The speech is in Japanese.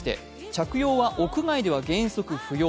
着用は屋外では原則不要。